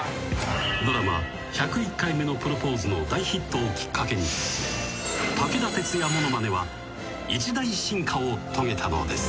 ［ドラマ『１０１回目のプロポーズ』の大ヒットをきっかけに武田鉄矢ものまねは一大進化を遂げたのです］